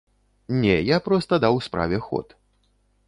Не, я проста даў справе ход.